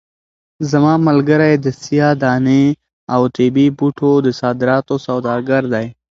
زما ملګری د سیاه دانې او طبي بوټو د صادراتو سوداګر دی.